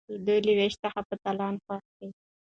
دوی له ویش څخه په تالان خوښ دي.